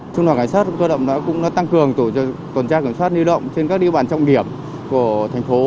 trung đoàn cảnh sát cơ động cũng đã tăng cường tổ tuần tra kiểm soát lưu động trên các địa bàn trọng điểm của thành phố